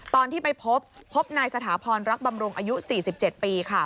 ตอนที่ไปพบพบนายสถาพรรักบำรุงอายุ๔๗ปีค่ะ